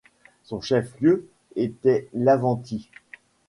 Son chef-lieu était Laventie.